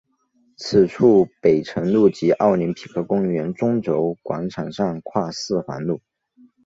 此处北辰路及奥林匹克公园中轴广场上跨四环路。